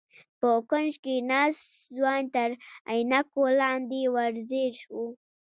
په کونج کې ناست ځوان تر عينکو لاندې ور ځير و.